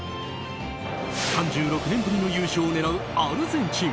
３６年ぶりの優勝を狙うアルゼンチン。